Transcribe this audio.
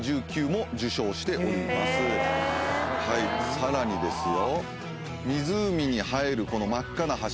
さらにですよ。